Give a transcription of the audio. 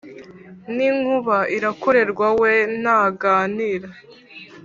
N'inkuba irakorerwa we ntaganira,